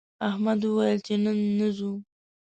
احمد ویل چې نن نه ځو